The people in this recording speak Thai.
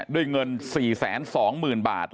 ด้วยเงิน๔๒๐๐๐บาท